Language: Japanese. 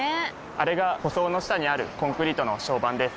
あれが舗装の下にあるコンクリートの床版です。